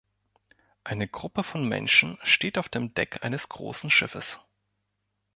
Eine Gruppe von Menschen steht auf dem Deck eines großen Schiffes.